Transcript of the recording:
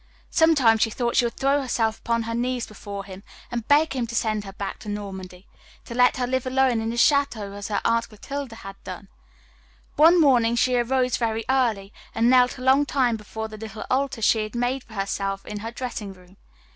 Sometimes she thought she would throw herself upon her knees before him and beg him to send her back to Normandy to let her live alone in the château as her Aunt Clotilde had done. One morning she arose very early, and knelt a long time before the little altar she had made for herself in her dressing room.